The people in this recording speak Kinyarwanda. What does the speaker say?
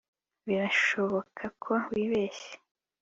birashoboka ko wibeshye